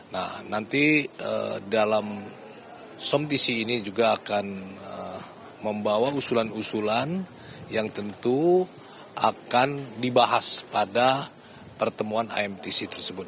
nah nanti dalam somtc ini juga akan membawa usulan usulan yang tentu akan dibahas pada pertemuan imtc tersebut